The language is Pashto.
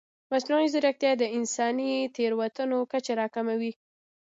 مصنوعي ځیرکتیا د انساني تېروتنو کچه راکموي.